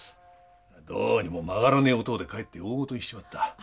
どうにも曲がらねえ男でかえって大ごとにしちまった。